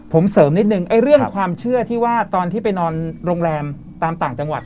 ผมเสริมนิดนึงไอ้เรื่องความเชื่อที่ว่าตอนที่ไปนอนโรงแรมตามต่างจังหวัด